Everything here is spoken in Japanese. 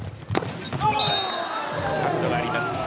角度があります。